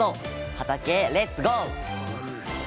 畑へレッツゴー！